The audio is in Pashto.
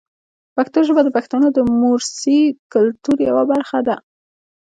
پښتو ژبه د پښتنو د موروثي کلتور یوه برخه ده.